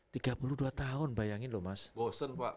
tiga puluh dua tahun bayangin loh mas bosen pak